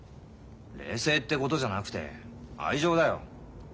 冷静ってことじゃなくて愛情だよ。